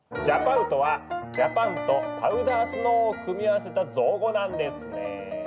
ＪＡＰＯＷとは「ジャパン」と「パウダースノー」を組み合わせた造語なんですね。